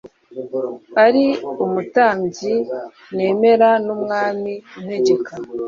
uri umutambyi nemera ni umwami untegeka